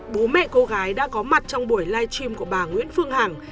bố mẹ cô gái đã có mặt trong buổi live stream của bà nguyễn phương hằng